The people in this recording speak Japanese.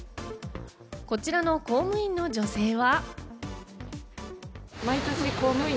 こちらの公務員の女性は。